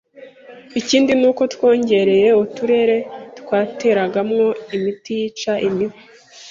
Ikindi ni uko twongereye uturere twateragamo imiti yica imibu